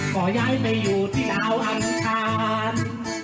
เค้าย้ายไปอยู่ที่ดาวอันทาน